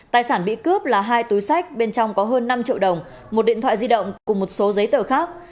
tài sản bị cướp là hai túi sách bên trong có hơn năm triệu đồng một điện thoại di động cùng một số giấy tờ khác